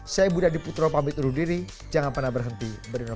saya budha diputro pamit urut diri jangan pernah berhenti berinovasi